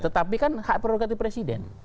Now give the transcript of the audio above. tetapi kan hak prerogatif presiden